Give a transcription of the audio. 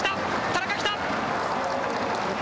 田中来た。